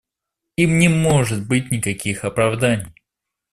Им не может быть никаких оправданий.